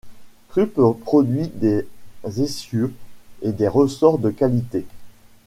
Krupp produit des essieux et des ressorts de qualité.